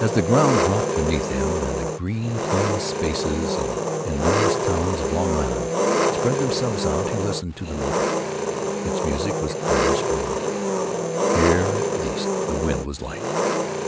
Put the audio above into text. As the ground dropped beneath him and the green clean spaces and innumerous towns of Long Island spread themselves out he listened to the motor. Its music was clear and strong. Here, at least, the wind was light.